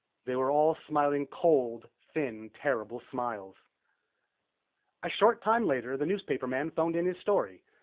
They were all smiling cold, thin, terrible smiles.... A short time later, the newspaperman phoned in his story.